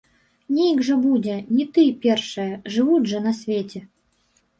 Нейк жа будзе, не ты першая, жывуць жа на свеце.